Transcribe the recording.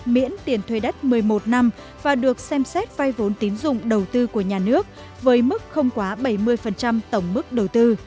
miễn tiền thuê đất một mươi một năm và được xem xét vai vốn tín dụng đầu tư của nhà nước với mức không quá bảy mươi tổng mức đầu tư